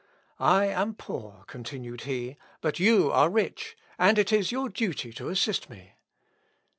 I am poor," continued he, "but you are rich, and it is your duty to assist me."